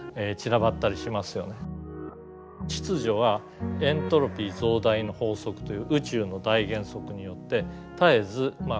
秩序はエントロピー増大の法則という宇宙の大原則によって絶えず壊されよう